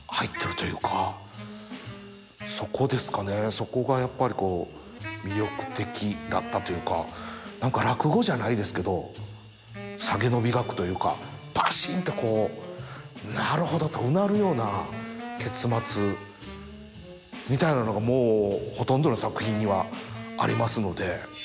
そこがやっぱり魅力的だったというか何か落語じゃないですけどサゲの美学というかバシンってなるほどとうなるような結末みたいなのがほとんどの作品にはありますので。